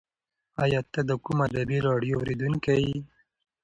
ایا ته د کوم ادبي راډیو اورېدونکی یې؟